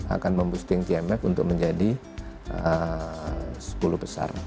akan memboosting gmf untuk menjadi sepuluh besar